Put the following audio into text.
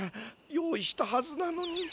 用意したはずなのに。